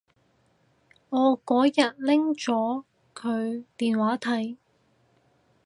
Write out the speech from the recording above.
我嗰日拎咗佢電話睇